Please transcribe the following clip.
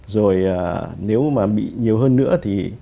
rồi nếu mà bị nhiều hơn nữa thì